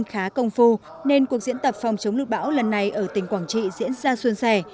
khá công phu nên cuộc diễn tập phòng chống lụt bão lần này ở tỉnh quảng trị diễn ra xuân sẻ